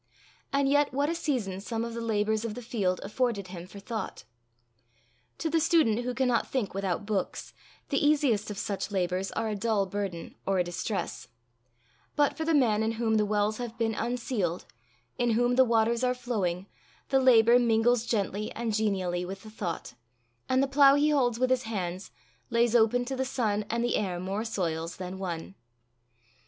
And yet what a season some of the labours of the field afforded him for thought! To the student who cannot think without books, the easiest of such labours are a dull burden, or a distress; but for the man in whom the wells have been unsealed, in whom the waters are flowing, the labour mingles gently and genially with the thought, and the plough he holds with his hands lays open to the sun and the air more soils than one.